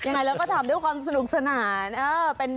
ไงแล้วก็ทำด้วยความสนุกสนาน